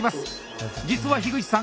実は口さん